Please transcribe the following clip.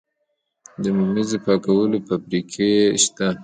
د ممیزو پاکولو فابریکې شته؟